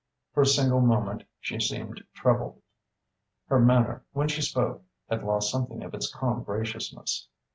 For a single moment she seemed troubled. Her manner, when she spoke, had lost something of its calm graciousness.